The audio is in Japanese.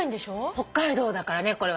北海道だからねこれは。